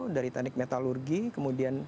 dari teknik metalurgi kemudian